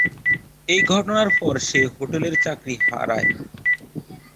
এই ঘটনার পর সে হোটেলের চাকরি হারায়।